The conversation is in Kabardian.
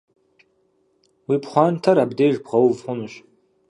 Уи пхъуантэр абдеж бгъэув хъунущ.